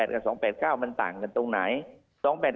กับ๒๘๙มันต่างกันตรงไหน